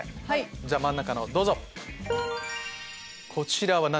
じゃあ真ん中のどうぞ。